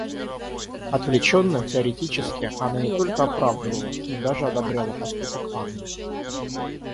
Отвлеченно, теоретически, она не только оправдывала, но даже одобряла поступок Анны.